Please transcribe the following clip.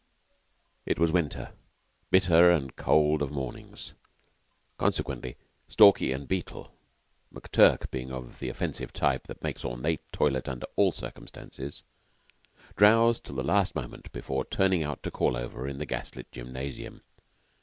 It was winter and bitter cold of mornings. Consequently Stalky and Beetle McTurk being of the offensive type that makes ornate toilet under all circumstances drowsed till the last moment before turning out to call over in the gas lit gymnasium.